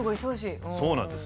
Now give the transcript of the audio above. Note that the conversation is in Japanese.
そうなんです。